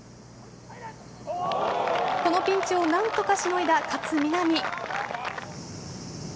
このピンチを何とかしのいだ勝みなみ。